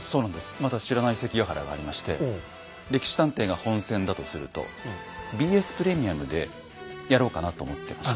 まだ知らない関ヶ原がありまして「歴史探偵」が本戦だとするとＢＳプレミアムでやろうかなと思ってまして。